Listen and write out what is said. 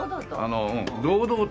堂々と。